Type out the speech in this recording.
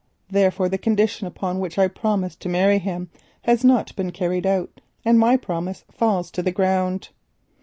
Therefore, the condition upon which I promised to marry him has not been carried out, and my promise falls to the ground."